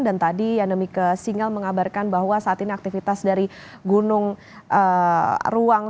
dan tadi yanemike singel mengabarkan bahwa saat ini aktivitas dari gunung ruang